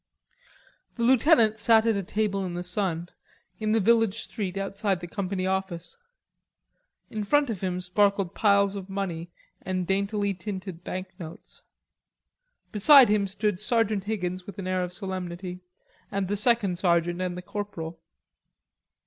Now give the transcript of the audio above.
The lieutenant sat at a table in the sun, in the village street outside the company office. In front of him sparkled piles of money and daintily tinted banknotes. Beside him stood Sergeant Higgins with an air of solemnity and the second sergeant and the corporal.